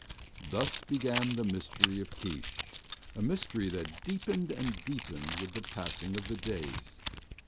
Thus began the mystery of Keesh, a mystery that deepened and deepened with the passing of the days.